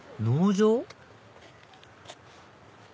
農場？